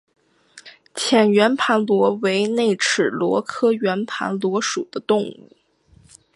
浅圆盘螺为内齿螺科圆盘螺属的动物。